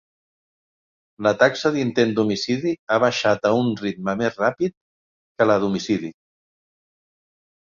La taxa d'intent d'homicidi ha baixat a un ritme més ràpid que la d'homicidi.